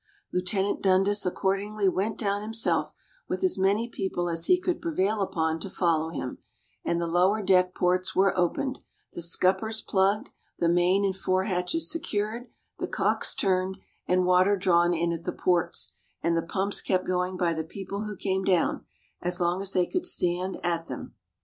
Lieut. Dundas accordingly went down himself, with as many people as he could prevail upon to follow him: and the lower deck ports were opened, the scuppers plugged, the main and fore hatches secured, the cocks turned, and water drawn in at the ports, and the pumps kept going by the people who came down, as long as they could stand at them.